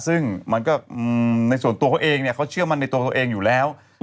ซึ่งมันก็ในส่วนตัวเขาเองเนี่ยเขาเชื่อมั่นในตัวตัวเองอยู่แล้ว